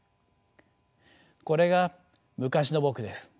これが昔の僕です。